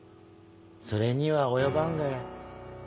それには及ばんがや。